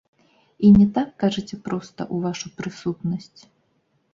І не так, кажыце проста, у вашу прысутнасць!